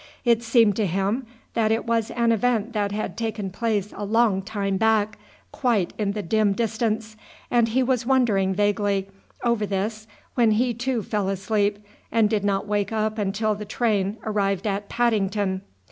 It seemed to him that it was an event that had taken place a long time back, quite in the dim distance, and he was wondering vaguely over this when he too fell asleep, and did not wake up until the train arrived at Paddington.